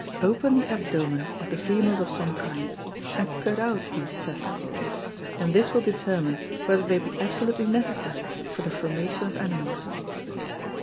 _ Open the Abdomen of the Females of some kinds, and cut out these Testicles, and this will determine, whether they be absolutely necessary for the formation of Animals.